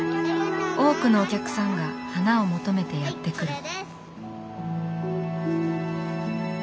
多くのお客さんが花を求めてやって来る。